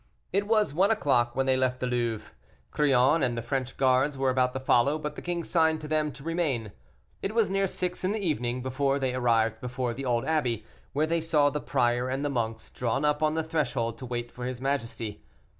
It was one o'clock when they left the Louvre. Crillon and the French guards were about to follow, but the king signed to them to remain. It was near six in the evening before they arrived before the old abbey, where they saw the prior and the monks drawn up on the threshold to wait for his majesty.